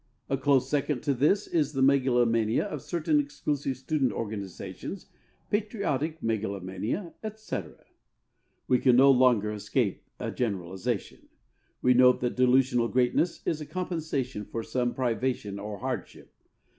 A close second to this is the megalomania of certain exclusive student organizations, patriotic megalomania, etc. We can no longer escape a generalization. We note that delusional greatness is a compensation for some privation or hardship.